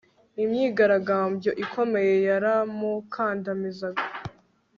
Imyigaragambyo ikomeye yaramukandamizaga